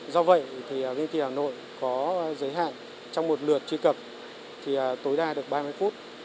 do vậy thì vtv hà nội có giới hạn trong một lượt truy cập thì tối đa được ba mươi phút